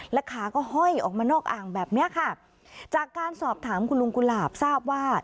ขาก็ห้อยออกมานอกอ่างแบบเนี้ยค่ะจากการสอบถามคุณลุงกุหลาบทราบว่า